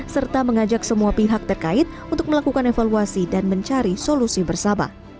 serta mengajak semua pihak terkait untuk melakukan evaluasi dan mencari solusi bersama